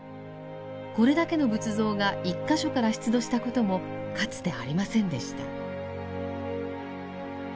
これだけの仏像が１か所から出土したこともかつてありませんでした。